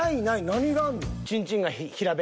何があんの？